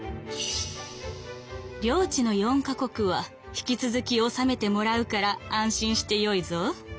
「領地の４か国は引き続き治めてもらうから安心してよいぞ。